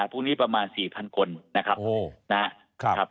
พรุ่งนี้ประมาณ๔๐๐คนนะครับ